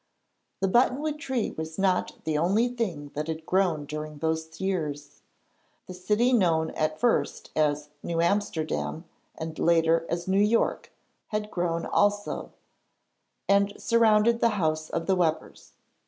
The button wood tree was not the only thing that had grown during those years. The city known at first as 'New Amsterdam,' and later as 'New York,' had grown also, and surrounded the house of the Webbers.